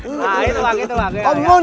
coba kepe yang